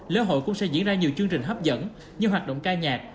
lễ hội cũng sẽ diễn ra nhiều chương trình hấp dẫn như hoạt động ca nhạc